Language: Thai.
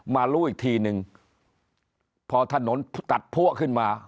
รู้อีกทีนึงพอถนนตัดพัวขึ้นมา